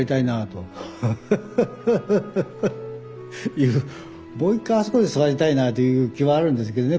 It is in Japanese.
いうもう一回あそこで座りたいなという気はあるんですけどね